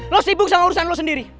lo sibuk sama urusan lo sendiri